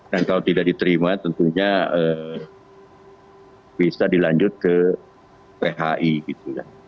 dan kalau tidak diterima tentunya bisa dilanjut ke phi gitu ya